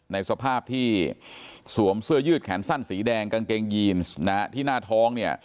ในสภาพที่สวมเสื้อยืดแขนสั้นสีแดงกางเกงยีนที่หน้าท้องเนี่ย